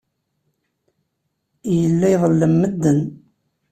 Yella iḍellem medden.